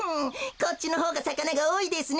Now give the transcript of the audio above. こっちのほうがさかながおおいですね。